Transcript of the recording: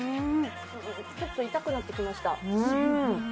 ちょっと痛くなってきました。